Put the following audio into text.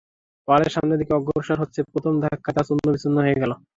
পাহাড় সামনের দিকে অগ্রসর হচ্ছে, প্রথম ধাক্কায় তা চূর্ণ-বিচূর্ণ হয়ে গেল।